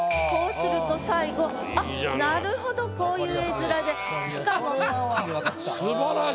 こうすると最後あっなるほどこういう絵面で。